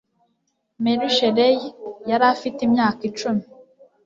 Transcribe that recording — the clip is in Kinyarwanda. Mary Shelley yari afite imyaka icum